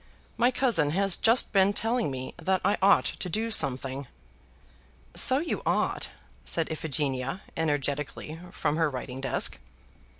My cousin has just been telling me that I ought to do something." "So you ought," said Iphigenia energetically from her writing desk.